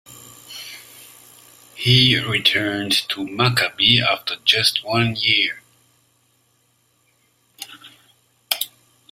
He returned to Maccabi after just one year.